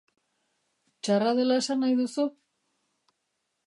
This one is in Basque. Txarra dela esan nahi duzu?